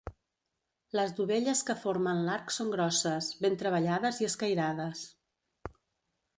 Les dovelles que formen l'arc són grosses, ben treballades i escairades.